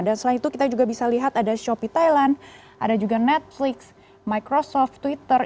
dan selain itu kita juga bisa lihat ada shopee thailand ada juga netflix microsoft twitter